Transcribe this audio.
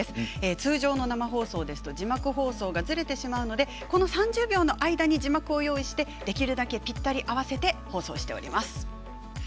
通常の生放送ですと字幕放送がずれてしまうのでこの３０秒の間に字幕を用意して、できるだけぴったり合わせて放送しております。